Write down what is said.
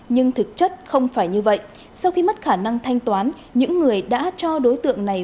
nhưng thực chất không phải như vậy sau khi mất khả năng thanh toán những người đã cho đối tượng này